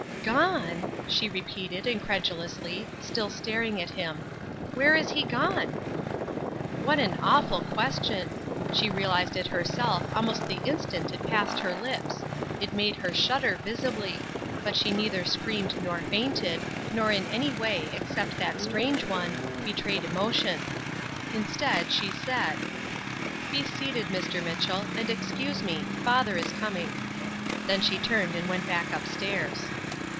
"Gone!" she repeated, incredulously, still staring at him. "Where is he gone?" What an awful question! She realized it herself almost the instant it passed her lips. It made her shudder visibly. But she neither screamed nor fainted, nor in any way, except that strange one, betrayed emotion. Instead, she said: "Be seated, Mr. Mitchell, and excuse me; father is coming." Then she turned and went back up stairs.